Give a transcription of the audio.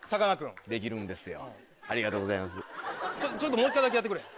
もう一回だけやってくれへん？